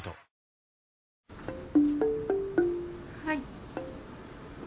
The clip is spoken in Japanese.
はい。